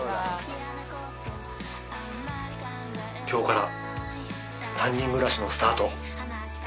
今日から三人暮らしのスタート。